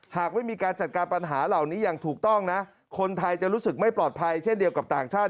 หากไม่มีการจัดการปัญหาเหล่านี้อย่างถูกต้องนะคนไทยจะรู้สึกไม่ปลอดภัยเช่นเดียวกับต่างชาติ